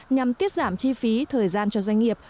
nhằm tiết giảm chi phí thời gian cho doanh nghiệp